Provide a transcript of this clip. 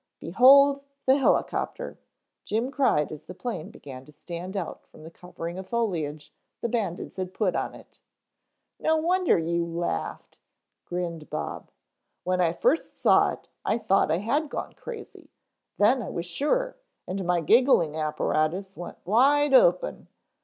"Behold the Helicopter," Jim cried as the plane began to stand out from the covering of foliage the bandits had put on it. "No wonder you laughed," grinned Bob. "When I first saw it I thought I had gone crazy, then I was sure and my giggling apparatus went wide open.